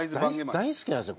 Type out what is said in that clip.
大好きなんすよ